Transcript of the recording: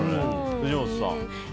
藤本さん。